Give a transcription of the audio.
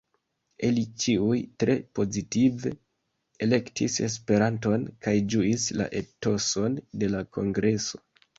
Ili ĉiuj tre pozitive elektis Esperanton kaj ĝuis la etoson de la kongreso.